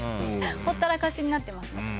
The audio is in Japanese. ほったらかしになってます。